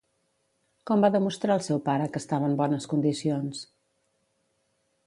Com va demostrar el seu pare que estava en bones condicions?